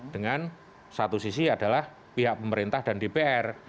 dengan satu sisi adalah pihak pemerintah dan dpr